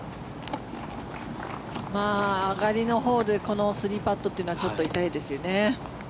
上がりのホールでこの３パットというのはちょっと痛いですよね。